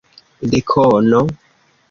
Dekono?